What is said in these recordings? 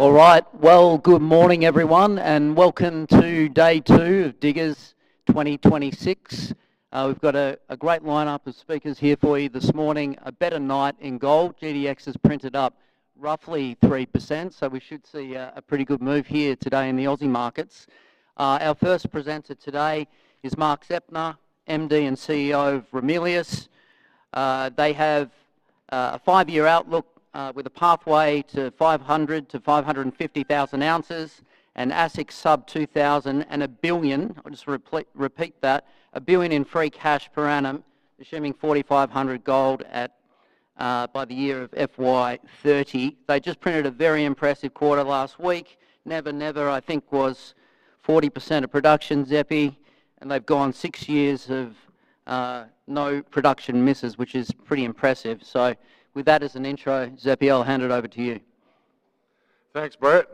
All right. Well, good morning everyone, and welcome to day two of Diggers & Dealers 2026. We've got a great line-up of speakers here for you this morning. A better night in gold. GDX has printed up roughly 3%, we should see a pretty good move here today in the Aussie markets. Our first presenter today is Mark Zeptner, MD and CEO of Ramelius. They have a five-year outlook with a pathway to 500,000-550,000 ounces, an AISC sub-AUD 2,000 and 1 billion, I'll just repeat that, 1 billion in free cash per annum assuming 4,500 gold by the year of FY 2030. They just printed a very impressive quarter last week. Never Never I think was 40% of production, Zeppy, and they've gone six years of no production misses, which is pretty impressive. With that as an intro, Zeppy, I'll hand it over to you. Thanks, Brett.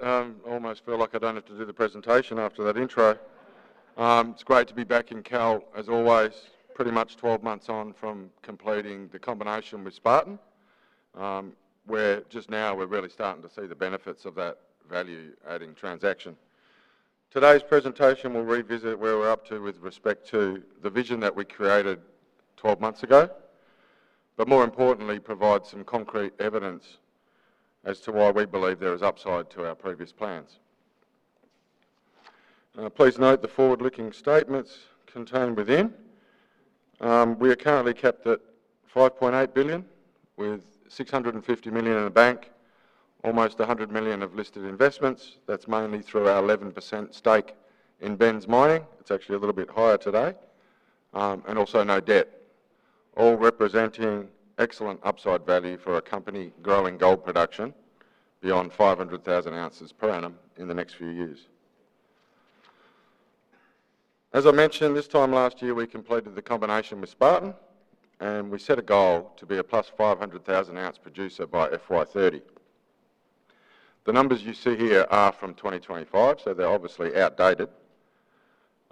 Almost feel like I don't have to do the presentation after that intro. It's great to be back in Kalgoorlie, as always. Pretty much 12 months on from completing the combination with Spartan, where just now we're really starting to see the benefits of that value-adding transaction. Today's presentation will revisit where we're up to with respect to the vision that we created 12 months ago, but more importantly, provide some concrete evidence as to why we believe there is upside to our previous plans. Please note the forward-looking statements contained within. We are currently capped at 5.8 billion with 650 million in the bank, almost 100 million of listed investments. That's mainly through our 11% stake in Benz Mining. It's actually a little bit higher today. Also no debt. All representing excellent upside value for a company growing gold production beyond 500,000 ounces per annum in the next few years. As I mentioned, this time last year, we completed the combination with Spartan, we set a goal to be a +500,000-ounce producer by FY 2030. The numbers you see here are from 2025, so they're obviously outdated.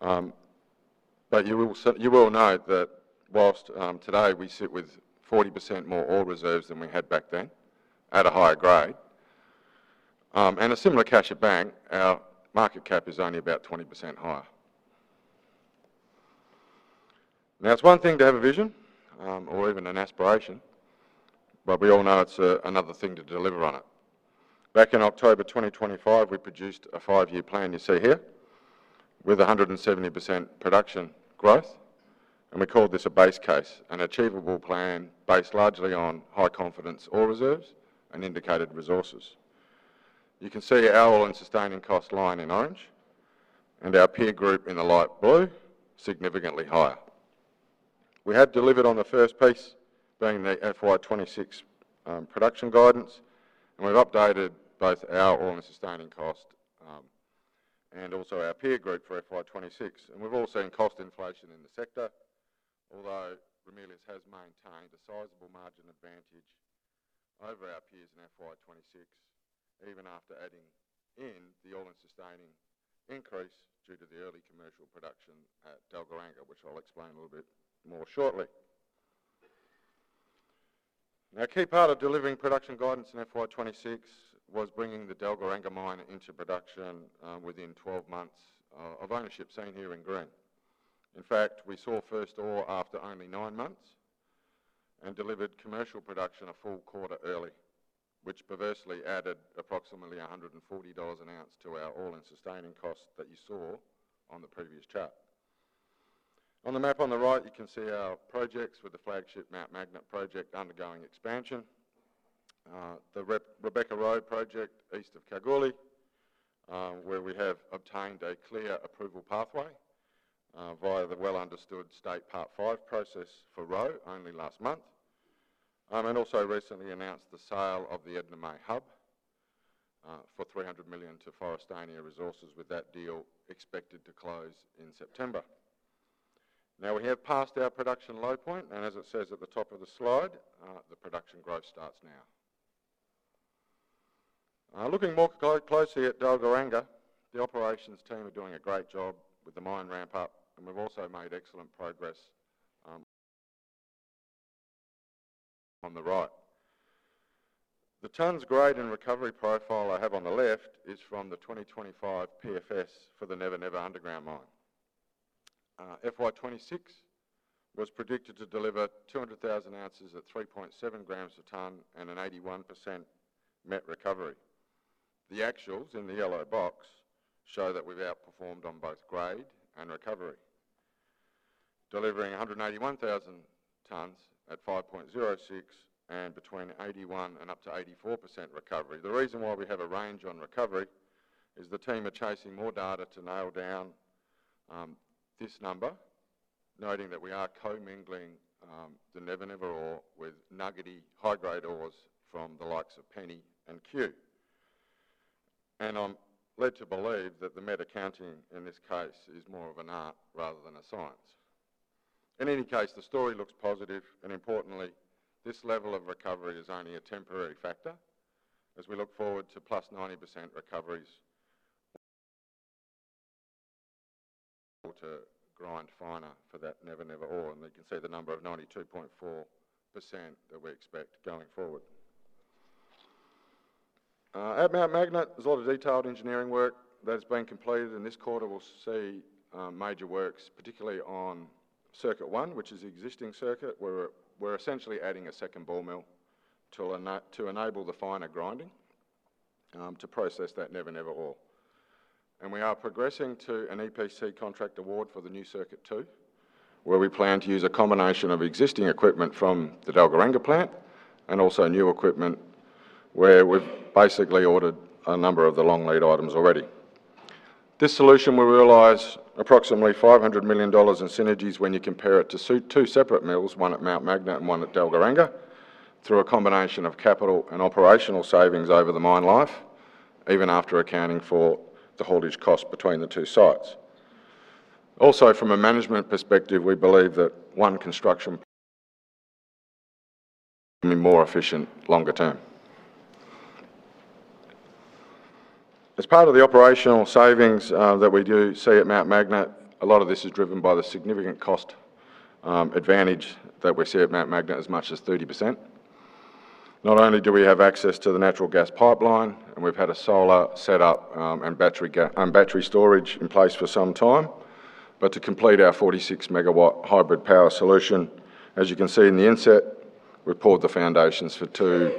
You will note that whilst today we sit with 40% more ore reserves than we had back then, at a higher grade, and a similar cash at bank, our market cap is only about 20% higher. It's one thing to have a vision, or even an aspiration, we all know it's another thing to deliver on it. Back in October 2025, we produced a five-year plan you see here with 170% production growth, we called this a base case, an achievable plan based largely on high confidence ore reserves and indicated resources. You can see our All-in Sustaining Cost line in orange, our peer group in the light blue, significantly higher. We have delivered on the first piece, being the FY 2026 production guidance, we've updated both our All-in Sustaining Cost and also our peer group for FY 2026. We've all seen cost inflation in the sector, although Ramelius has maintained a sizable margin advantage over our peers in FY 2026, even after adding in the All-in Sustaining Cost increase due to the early commercial production at Dalgaranga, which I'll explain a little bit more shortly. A key part of delivering production guidance in FY 2026 was bringing the Dalgaranga mine into production within 12 months of ownership, seen here in green. In fact, we saw first ore after only nine months and delivered commercial production a full quarter early, which perversely added approximately 140 dollars an ounce to our All-in Sustaining Cost that you saw on the previous chart. On the map on the right, you can see our projects with the flagship Mount Magnet Project undergoing expansion. The Rebecca-Roe Project, east of Kalgoorlie, where we have obtained a clear approval pathway via the well-understood State Part V process for Roe only last month. Also recently announced the sale of the Edna May Hub for 300 million to Forrestania Resources, with that deal expected to close in September. We have passed our production low point and as it says at the top of the slide, the production growth starts now. Looking more closely at Dalgaranga, the operations team are doing a great job with the mine ramp up, and we've also made excellent progress on the right. The tonnes, grade, and recovery profile I have on the left is from the 2025 PFS for the Never Never underground mine. FY 2026 was predicted to deliver 200,000 ounces at 3.7 grams a tonne and an 81% metallurgical recovery. The actuals, in the yellow box, show that we've outperformed on both grade and recovery, delivering 181,000 tonnes at 5.06 and between 81%-84% recovery. The reason why we have a range on recovery is the team are chasing more data to nail down this number, noting that we are co-mingling the Never Never ore with nuggety high-grade ores from the likes of Penny and Cue. I'm led to believe that the metallurgical accounting in this case is more of an art rather than a science. In any case, the story looks positive. Importantly, this level of recovery is only a temporary factor as we look forward to +90% recoveries to grind finer for that Never Never ore. You can see the number of 92.4% that we expect going forward. At Mount Magnet, there's a lot of detailed engineering work that has been completed, and this quarter will see major works, particularly on Circuit 1, which is the existing circuit, where we're essentially adding a second ball mill to enable the finer grinding to process that Never Never ore. We are progressing to an EPC contract award for the new Circuit 2, where we plan to use a combination of existing equipment from the Dalgaranga Plant and also new equipment where we've basically ordered a number of the long lead items already. This solution will realize approximately 500 million dollars in synergies when you compare it to two separate mills, one at Mount Magnet and one at Dalgaranga, through a combination of capital and operational savings over the mine life, even after accounting for the haulage cost between the two sites. Also, from a management perspective, we believe that one construction will be more efficient longer term. As part of the operational savings that we do see at Mount Magnet, a lot of this is driven by the significant cost advantage that we see at Mount Magnet as much as 30%. Not only do we have access to the natural gas pipeline, we've had a solar set up and battery storage in place for some time. To complete our 46 MW hybrid power solution, as you can see in the inset, we poured the foundations for two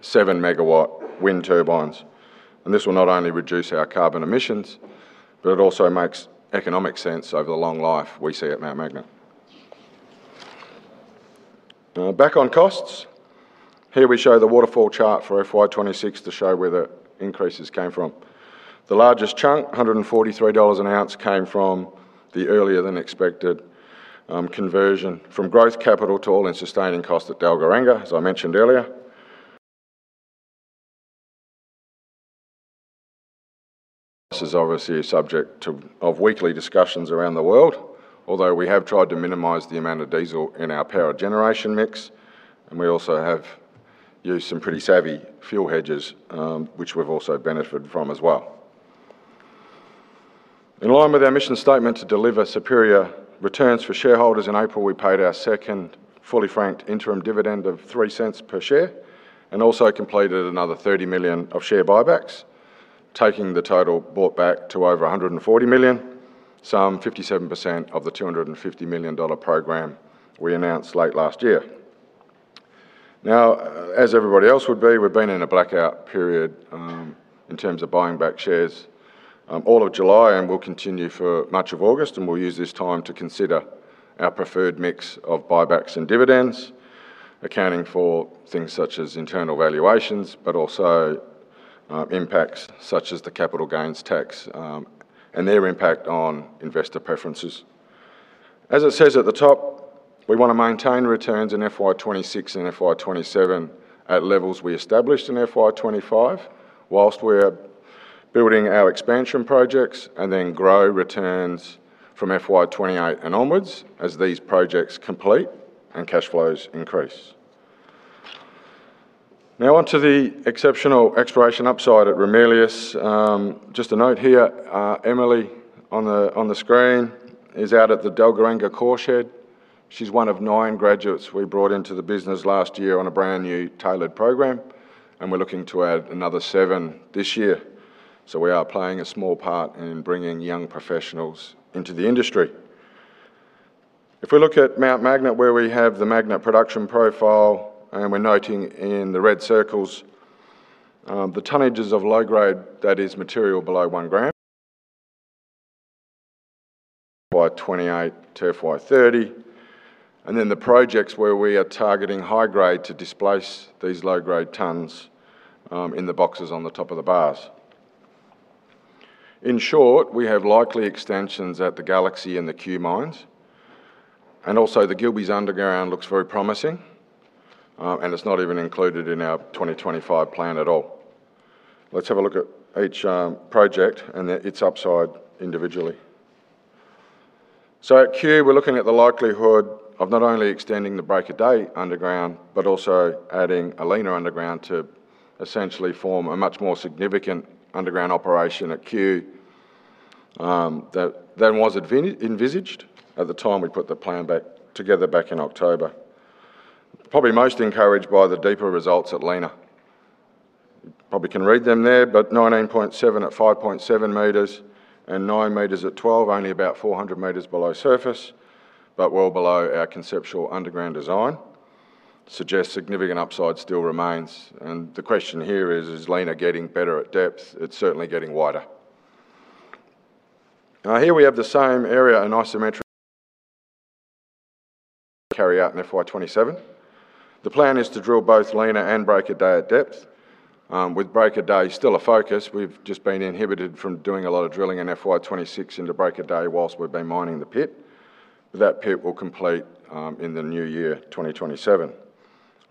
7 MW wind turbines. This will not only reduce our carbon emissions, but it also makes economic sense over the long life we see at Mount Magnet. Back on costs. Here we show the waterfall chart for FY 2026 to show where the increases came from. The largest chunk, 143 dollars an ounce, came from the earlier than expected conversion from growth capital to All-in Sustaining Cost at Dalgaranga, as I mentioned earlier. This is obviously a subject of weekly discussions around the world, although we have tried to minimize the amount of diesel in our power generation mix, and we also have used some pretty savvy fuel hedges, which we've also benefited from as well. In line with our mission statement to deliver superior returns for shareholders, in April, we paid our second fully franked interim dividend of 0.03 per share and also completed another 30 million of share buybacks, taking the total bought back to over 140 million, some 57% of the 250 million dollar program we announced late last year. As everybody else would be, we've been in a blackout period in terms of buying back shares all of July and will continue for much of August, and we'll use this time to consider our preferred mix of buybacks and dividends, accounting for things such as internal valuations, but also impacts such as the capital gains tax and their impact on investor preferences. As it says at the top, we want to maintain returns in FY 2026 and FY 2027 at levels we established in FY 2025 whilst we are building our expansion projects and then grow returns from FY 2028 and onwards as these projects complete and cash flows increase. On to the exceptional exploration upside at Ramelius. Just a note here, Emelie on the screen is out at the Dalgaranga ore shed. She's one of nine graduates we brought into the business last year on a brand new tailored program, and we're looking to add another seven this year. We are playing a small part in bringing young professionals into the industry. If we look at Mount Magnet, where we have the Mount Magnet production profile and we're noting in the red circles, the tonnages of low grade that is material below 1 gram. By FY 2028 to FY 2030. Then the projects where we are targeting high grade to displace these low grade tonnes in the boxes on the top of the bars. In short, we have likely extensions at the Galaxy and the Cue mines. Also the Gilbey's underground looks very promising. It's not even included in our 2025 plan at all. Let's have a look at each project and its upside individually. At Cue, we're looking at the likelihood of not only extending the Break of Day underground, but also adding a Lena underground to essentially form a much more significant underground operation at Cue than was envisaged at the time we put the plan back together back in October. Probably most encouraged by the deeper results at Lena. You probably can read them there, but 19.7 at 5.7 meters and 9 meters at 12, only about 400 meters below surface, but well below our conceptual underground design. Suggests significant upside still remains. The question here is Lena getting better at depth? It's certainly getting wider. Now here we have the same area in isometric. Carry out in FY 2027. The plan is to drill both Lena and Break of Day at depth. With Break of Day still a focus, we've just been inhibited from doing a lot of drilling in FY 2026 into Break of Day whilst we've been mining the pit. That pit will complete in the new year, 2027.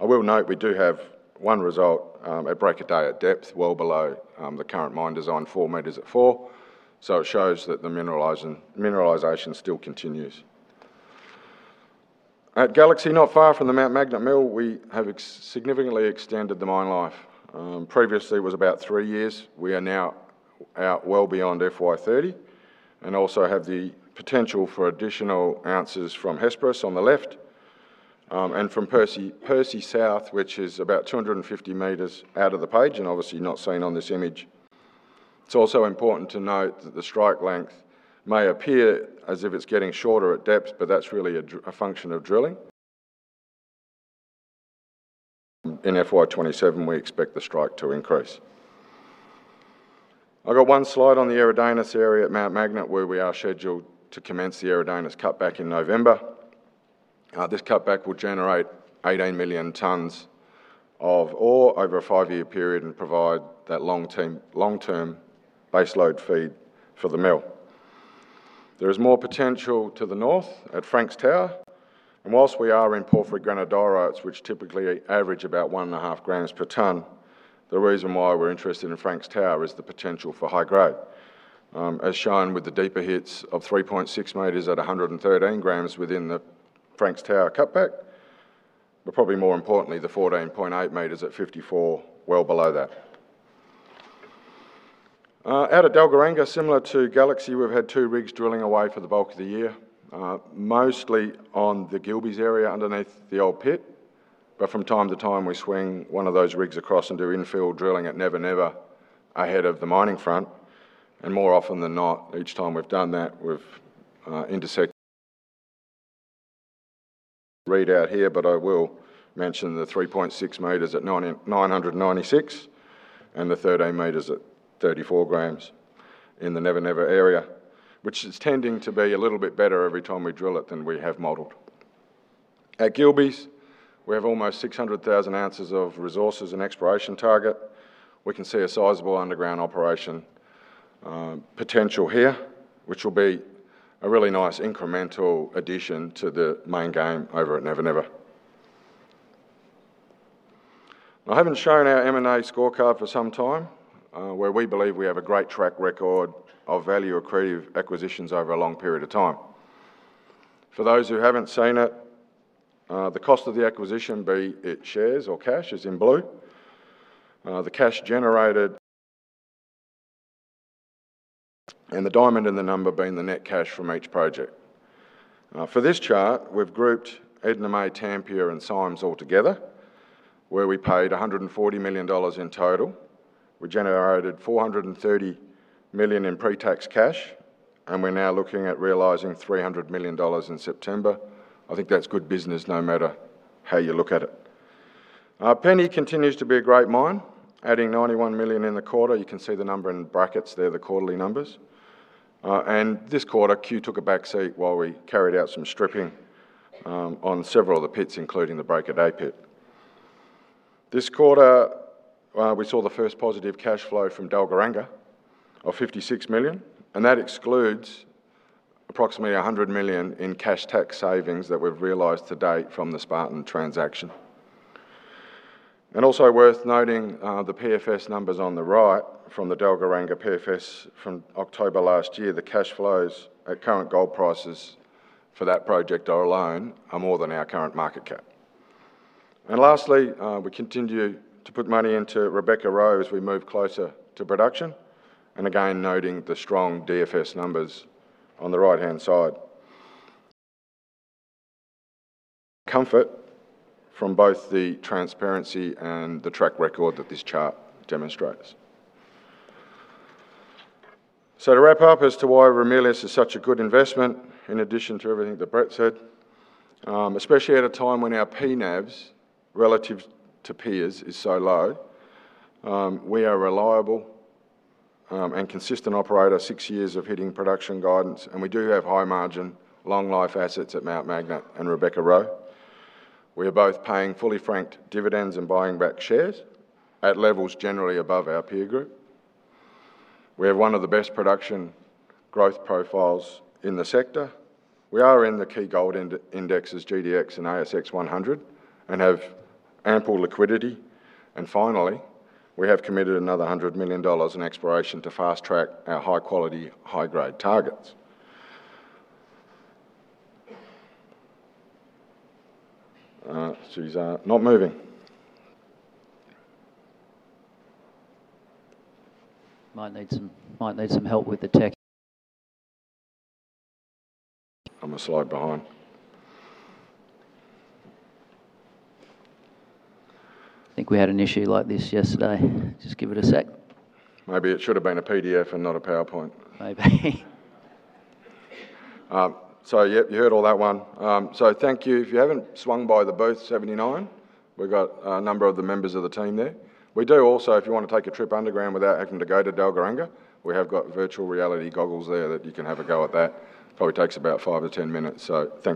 I will note we do have one result at Break of Day at depth, well below the current mine design, 4 meters at four. It shows that the mineralization still continues. At Galaxy, not far from the Mount Magnet mill, we have significantly extended the mine life. Previously, it was about three years. We are now out well beyond FY 2030 and also have the potential for additional ounces from Hesperus on the left, and from Percy South, which is about 250 meters out of the page and obviously not seen on this image. It's also important to note that the strike length may appear as if it's getting shorter at depth, but that's really a function of drilling. In FY 2027, we expect the strike to increase. I've got one slide on the Eridanus area at Mount Magnet, where we are scheduled to commence the Eridanus cutback in November. This cutback will generate 18 million tons of ore over a five-year period and provide that long-term base load feed for the mill. There is more potential to the north at Franks Tower. Whilst we are in porphyry granodiorites, which typically average about 1.5 grams per ton, the reason why we're interested in Franks Tower is the potential for high grade, as shown with the deeper hits of 3.6 meters at 113 grams within the Franks Tower cutback. But probably more importantly, the 14.8 meters at 54 grams, well below that. Out at Dalgaranga, similar to Galaxy, we've had two rigs drilling away for the bulk of the year. Mostly on the Gilbey's area underneath the old pit. From time to time, we swing one of those rigs across and do infill drilling at Never Never ahead of the mining front. More often than not, each time we've done that, we've intersected read out here, but I will mention the 3.6 meters at 996 and the 13 meters at 34 grams in the Never Never area, which is tending to be a little bit better every time we drill it than we have modeled. At Gilbey's, we have almost 600,000 ounces of resources and exploration target. We can see a sizable underground operation potential here, which will be a really nice incremental addition to the main game over at Never Never. I haven't shown our M&A scorecard for some time, where we believe we have a great track record of value-accretive acquisitions over a long period of time. For those who haven't seen it, the cost of the acquisition, be it shares or cash, is in blue. The cash generated. The diamond in the number being the net cash from each project. For this chart, we've grouped Edna May, Tampia, and Symes all together, where we paid 140 million dollars in total. We generated 430 million in pre-tax cash, and we're now looking at realizing 300 million dollars in September. I think that's good business no matter how you look at it. Penny continues to be a great mine, adding 91 million in the quarter. You can see the number in brackets there, the quarterly numbers. This quarter, Cue took a backseat while we carried out some stripping on several of the pits, including the Break of Day pit. This quarter, we saw the first positive cash flow from Dalgaranga of 56 million, and that excludes approximately 100 million in cash tax savings that we've realized to date from the Spartan transaction. Also worth noting, the PFS numbers on the right from the Dalgaranga PFS from October last year. The cash flows at current gold prices for that project alone are more than our current market cap. Lastly, we continue to put money into Rebecca-Roe as we move closer to production. Again, noting the strong DFS numbers on the right-hand side. Comfort from both the transparency and the track record that this chart demonstrates. To wrap up as to why Ramelius is such a good investment, in addition to everything that Brett said, especially at a time when our P/NAVs relative to peers is so low, we are a reliable and consistent operator, six years of hitting production guidance, and we do have high margin, long life assets at Mount Magnet and Rebecca-Roe. We are both paying fully franked dividends and buying back shares at levels generally above our peer group. We have one of the best production growth profiles in the sector. We are in the key gold indexes, GDX and ASX 100, and have ample liquidity. Finally, we have committed another 100 million dollars in exploration to fast-track our high-quality, high-grade targets. She's not moving. Might need some help with the tech. I'm a slide behind. I think we had an issue like this yesterday. Just give it a sec. Maybe it should have been a PDF and not a PowerPoint. Maybe. Yep, you heard all that one. Thank you. If you haven't swung by the booth 79, we've got a number of the members of the team there. We do also, if you want to take a trip underground without having to go to Dalgaranga, we have got virtual reality goggles there that you can have a go at that. Probably takes about 5-10 minutes.